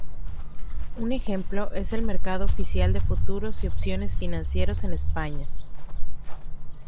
Un ejemplo es el Mercado Oficial de Futuros y Opciones Financieros en España.